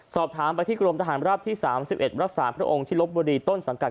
สอบถามไปที่กรมทหารราบที่๓๑รักษาพระองค์ที่ลบบุรีต้นสังกัด